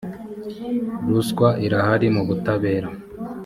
ruswa irahari mu butabera